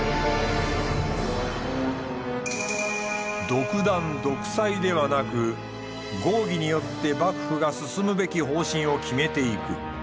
独断・独裁ではなく合議によって幕府が進むべき方針を決めていく。